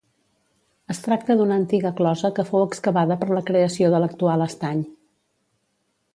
Es tracta d'una antiga closa que fou excavada per la creació de l'actual estany.